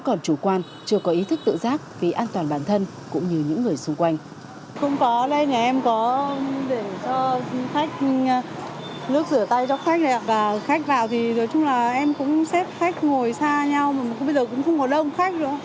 còn chủ quan chưa có ý thức tự giác vì an toàn bản thân cũng như những người xung quanh